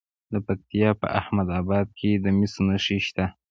د پکتیا په احمد اباد کې د مسو نښې شته.